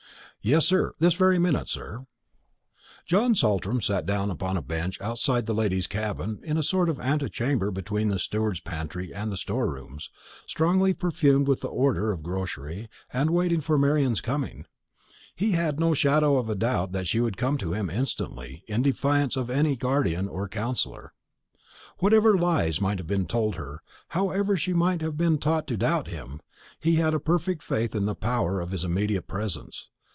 "Yes, sir, this very minute, sir." John Saltram sat down upon a bench outside the ladies' cabin, in a sort of antechamber between the steward's pantry and store rooms, strongly perfumed with the odour of grocery, and waited for Marian's coming. He had no shadow of doubt that she would come to him instantly, in defiance of any other guardian or counseller. Whatever lies might have been told her however she might have been taught to doubt him he had a perfect faith in the power of his immediate presence.